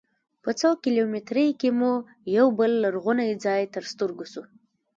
په څو کیلومترۍ کې مو یوه بل لرغونی ځاې تر سترګو سو.